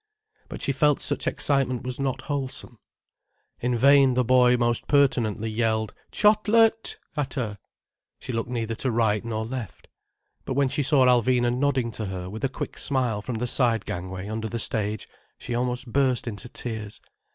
But she felt such excitement was not wholesome. In vain the boy most pertinently yelled "Chot let" at her. She looked neither to right nor left. But when she saw Alvina nodding to her with a quick smile from the side gangway under the stage, she almost burst into tears.